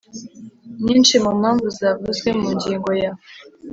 nyinshi mu mpamvu zavuzwe mu ngingo ya